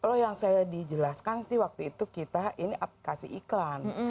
kalau yang saya dijelaskan sih waktu itu kita ini aplikasi iklan